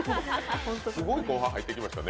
すごい後輩入ってきましたね。